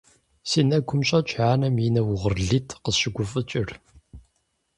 Си нэгум щӀэтщ анэм и нэ угъурлитӀ къысщыгуфӀыкӀыр.